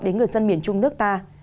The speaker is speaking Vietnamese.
đến người dân miền trung nước ta